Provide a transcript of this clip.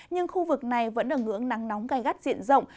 nhưng khu vực này vẫn ở ngưỡng nắng nóng gai gắt diện rộng